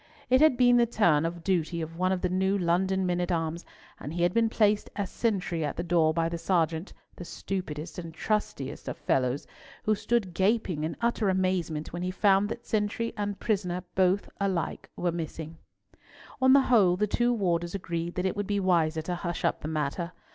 It had been the turn of duty of one of the new London men at arms, and he had been placed as sentry at the door by the sergeant—the stupidest and trustiest of fellows—who stood gaping in utter amazement when he found that sentry and prisoner were both alike missing. On the whole, the two warders agreed that it would be wiser to hush up the matter.